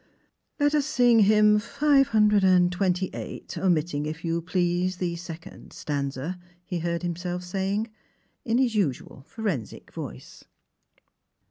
" Let us sing hymn five hundred and twenty eight, omitting, if you please, the second stanza," he heard himself saying, in his usual forensic voice.